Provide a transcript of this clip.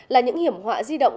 là những hiểm họa di động